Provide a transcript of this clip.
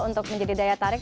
untuk menjadi daya tarik